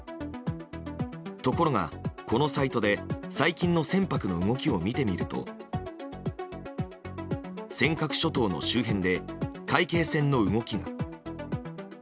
ところが、このサイトで最近の船舶の動きを見てみると尖閣諸島の周辺で海警船の動きが。